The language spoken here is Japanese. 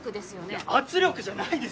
いや圧力じゃないです。